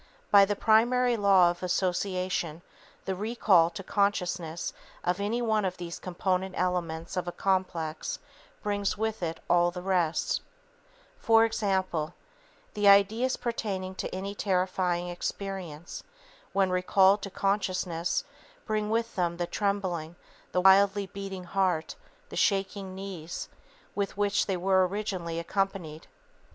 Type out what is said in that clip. By the primary law of association the recall to consciousness of any one of these component elements of a complex brings with it all the rest_. [Sidenote: Bodily Effects of Ideas] For example, the ideas pertaining to any terrifying experience, when recalled to consciousness, bring with them the trembling, the wildly beating heart, the shaking knees, with which they were originally accompanied.